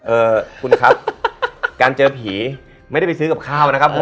เอ่อคุณครับการเจอผีไม่ได้ไปซื้อกับข้าวนะครับผม